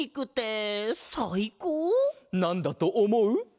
なんだとおもう？